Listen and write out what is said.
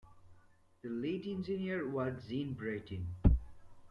The lead engineer was Jean Bertin.